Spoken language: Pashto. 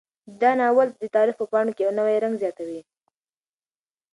دا ناول د تاریخ په پاڼو کې یو نوی رنګ زیاتوي.